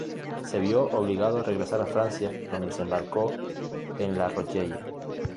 Se vio obligado a regresar a Francia, donde desembarcó en La Rochelle.